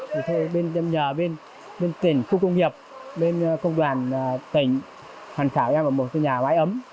thì thôi em nhờ bên tỉnh khu công nghiệp bên công đoàn tỉnh hoàn khảo em ở một cái nhà mái ấm